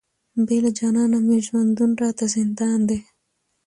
بې له جانانه مي ژوندون راته زندان دی،